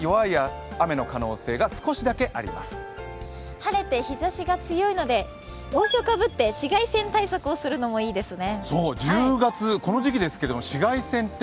晴れて日ざしが強いので帽子をかぶって紫外線対策をするのもいいですね。